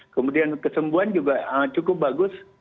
kemudian kesembuhan juga cukup bagus